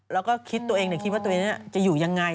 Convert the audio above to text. แล้วก็คิดตัวเองเนี่ยคิดว่าตัวเองจะอยู่ยังไง